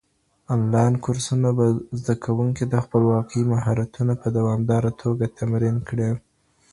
انلاين کورسونه به زده کوونکي د خپلواکۍ مهارتونه په دوامداره توګه تمرين کړي.